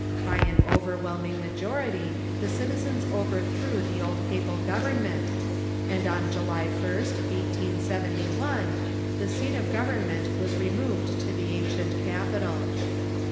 By an overwhelming majority the citizens overthrew the old papal government, and on July 1st, 1871, the seat of government was removed to the ancient capital.